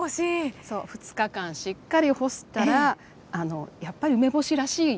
２日間しっかり干したらやっぱり梅干しらしい姿に。